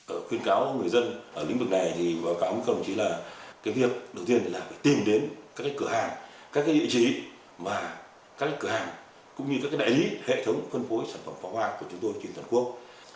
ở khuyên cáo người dân ở lĩnh vực này thì báo cáo với các đồng chí là cái việc đầu tiên là tìm đến các cái cửa hàng các cái địa chỉ và các cái cửa hàng cũng như các cái đại lý hệ thống phân phối sản phẩm pháo hoa của chúng tôi trên toàn quốc